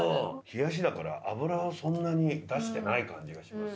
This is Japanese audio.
冷やしだから油はそんなに出してない感じがしますよ。